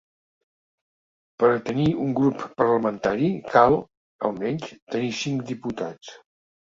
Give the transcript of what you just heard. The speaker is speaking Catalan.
Per a tenir un grup parlamentari cal, almenys, tenir cinc diputats.